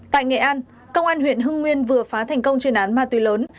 tại nghệ an công an huyện hưng nguyên vừa phá thành công chuyên án ma túy lớn